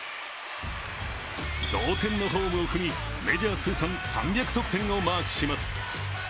同点のホームを踏み、メジャー通算３００得点をマークします。